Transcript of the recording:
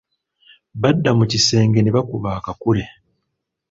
Badda mu kisenge ne bakuba akakule.